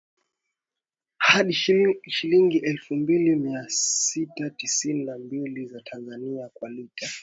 hadi shilingi elfu mbili mia sita tisini na mbili za Tanzania kwa lita